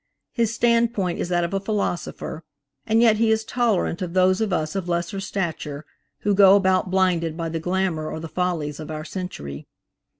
His standpoint is that of a philosopher, and yet he is tolerant of those of us of lesser stature, who go about blinded by the glamour or the follies of our century.